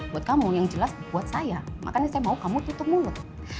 buat kamu yang jelas buat saya makanya saya mau kamu tutup mulut